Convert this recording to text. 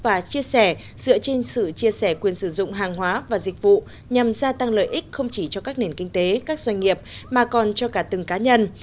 và chia sẻ dựa trên sự chia sẻ quyền sử dụng hàng hóa và dịch vụ nhằm gia tăng lợi ích không chỉ cho các nền kinh tế các doanh nghiệp mà còn cho cả từng cá nhân